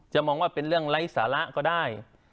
มองว่าเป็นเรื่องไร้สาระก็ได้